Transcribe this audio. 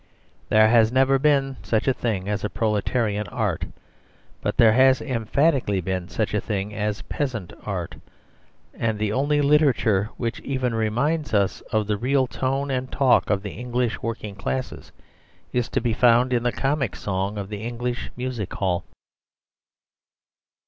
There has never been such a thing as proletarian art; but there has emphatically been such a thing as peasant art. And the only literature which even reminds us of the real tone and talk of the English working classes is to be found in the comic song of the English music hall.